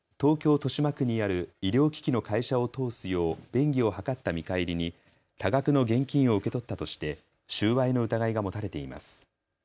豊島区にある医療機器の会社を通すよう便宜を図った見返りに多額の現金を受け取ったとして収賄の疑いが持たれています。